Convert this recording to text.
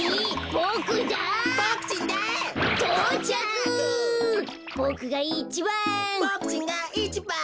ボクちんがいちばん。